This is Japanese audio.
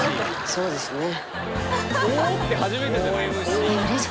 そうですね。